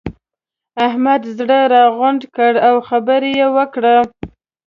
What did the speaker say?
احمد زړه راغونډ کړ؛ او خبره يې وکړه.